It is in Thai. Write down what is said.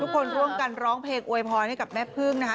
ร่วมกันร้องเพลงอวยพรให้กับแม่พึ่งนะคะ